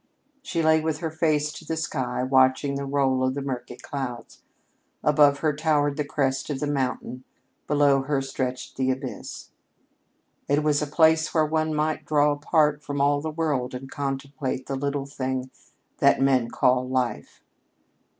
She lay with her face to the sky watching the roll of the murky clouds. Above her towered the crest of the mountain, below her stretched the abyss. It was a place where one might draw apart from all the world and contemplate the little thing that men call Life.